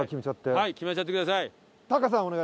はい決めちゃってください。